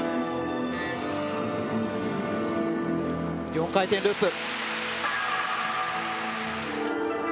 ４回転ループ！